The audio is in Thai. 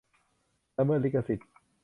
ละเมิดลิขสิทธิ์